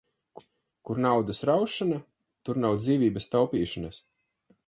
Kur naudas raušana, tur nav dzīvības taupīšanas.